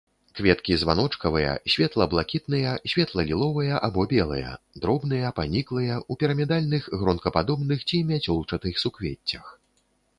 Кветкі званочкавыя, светла-блакітныя, светла-ліловыя або белыя, дробныя, паніклыя, у пірамідальных гронкападобных ці мяцёлчатых суквеццях.